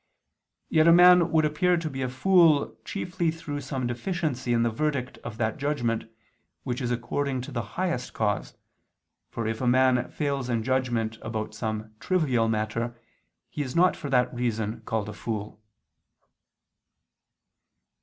Yet a man would appear to be a fool chiefly through some deficiency in the verdict of that judgment, which is according to the highest cause, for if a man fails in judgment about some trivial matter, he is not for that reason called a fool.